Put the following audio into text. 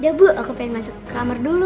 ya bu aku pengen masuk kamar dulu